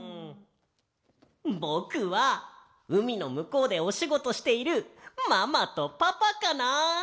ぼくはうみのむこうでおしごとしているママとパパかな。